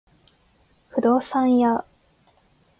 不動産屋